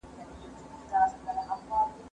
زه به سبا سپينکۍ پرېولم وم،